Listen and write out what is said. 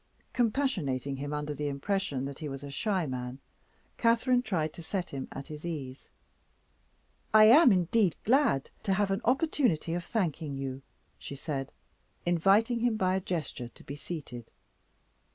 Compassionating him under the impression that he was a shy man, Catherine tried to set him at his ease. "I am indeed glad to have an opportunity of thanking you," she said, inviting him by a gesture to be seated.